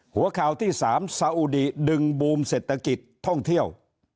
หัวข่าวที่๓ซาอุดิดึงบูมเศรษฐกิจท่องเที่ยว